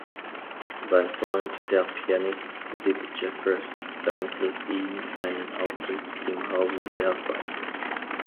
Sein Freund, der Pianist Sid Jeffers, vermittelt ihm einen Auftritt im Hause der Wrights.